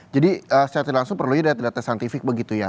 jadi secara langsung perlu yaitu data data saintifik begitu ya